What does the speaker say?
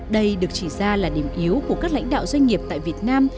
đây được chỉ ra là điểm yếu của các lãnh đạo doanh nghiệp tại việt nam